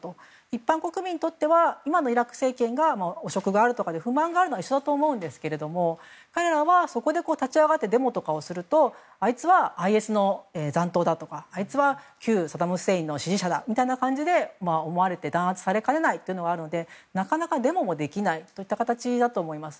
一般国民にとって今のイラク政権が汚職があったりするのは一緒だと思うんですが彼らはそこで立ち上がってデモとかするとあいつは、ＩＳの残党だとかあいつは、旧サダム・フセインの支持者だみたいな感じで思われて弾圧されかねないのがあるのでなかなかデモもできないといった形だと思います。